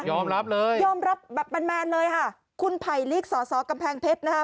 ยอมรับเลยยอมรับแบบแมนแมนเลยค่ะคุณไผลลิกสอสอกำแพงเพชรนะคะ